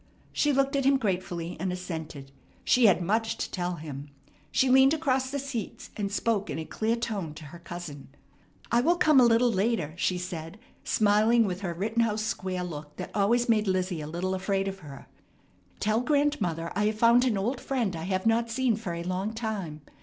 She looked at him gratefully, and assented. She had much to tell him. She leaned across the seats, and spoke in a clear tone to her cousin. "I will come a little later," she said, smiling with her Rittenhouse Square look that always made Lizzie a little afraid of her. "Tell grandmother I have found an old friend I have not seen for a long time.